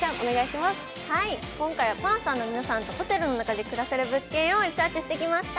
今回はパンサーの皆さんとホテルの中で暮らせる物件をリサーチしてきました。